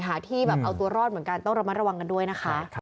ที่แบบเอาตัวรอดเหมือนกันต้องระมัดระวังกันด้วยนะคะ